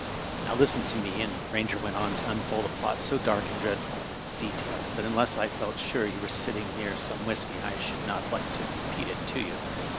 Now, listen to me," and Bainger went on to unfold a plot so dark and dreadful in its details that unless I felt sure you were sitting near some whisky I should not like to repeat it to you.